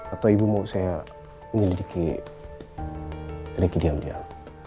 atau ibu mau saya menyelidiki lagi diam diam